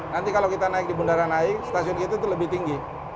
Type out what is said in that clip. nanti kalau kita naik di bundaran naik stasiun kita itu lebih tinggi